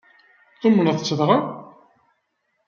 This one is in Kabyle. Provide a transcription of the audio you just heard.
Tumneḍ-t dɣa?